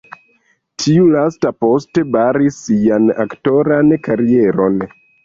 Tiu lasta poste baris sian aktoran karieron.